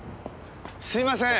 すいません。